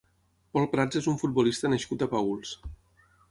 Pol Prats és un futbolista nascut a Paüls.